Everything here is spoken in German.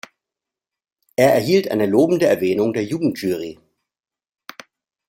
Er erhielt eine lobende Erwähnung der Jugendjury.